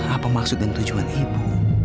apa maksud dan tujuan ibu